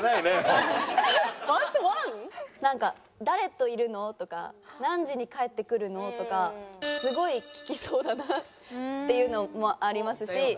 「誰といるの？」とか「何時に帰ってくるの？」とかすごい聞きそうだなっていうのもありますし。